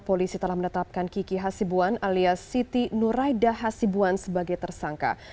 polisi telah menetapkan kiki hasibuan alias siti nuraida hasibuan sebagai tersangka